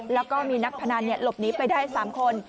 แล้วก็มีนักพนันหลบหนีไปได้๓คน